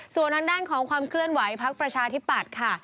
ส่วนทางด้านของความเคลื่อนไหวพักประชาธิปัตย์ค่ะ